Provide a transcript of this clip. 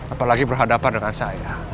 apalagi berhadapan dengan saya